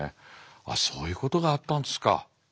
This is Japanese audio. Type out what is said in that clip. ああそういうことがあったんですか。